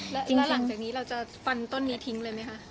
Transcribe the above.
แล้วหลังจากนี้เราจะฟันต้นนี้ทิ้งเลยไหมคะ